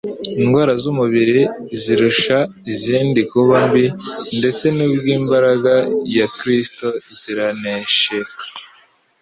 Indwara z'umubiri zirusha izindi kuba mbi ndetse kubw'imbaraga ya Kristo ziranesheka;